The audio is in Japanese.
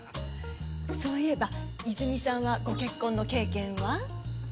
そういえばいづみさんはご結婚の経験は？